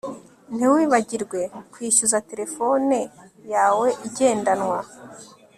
Ntiwibagirwe kwishyuza terefone yawe igendanwa